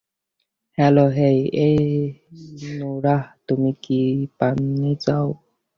Hello hey, hey Norah, তুমি কি পানি চাও?